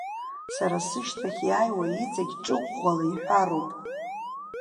Сара сышьҭахь иааиуа иҵегь ҿыӷәӷәала иҳәароуп.